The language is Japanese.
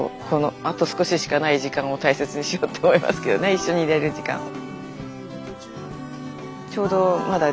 一緒にいれる時間を。